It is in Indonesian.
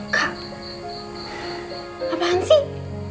kak apaan sih